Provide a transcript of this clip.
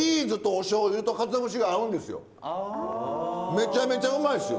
めちゃめちゃうまいですよ。